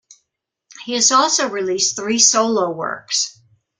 He has also released three solo works.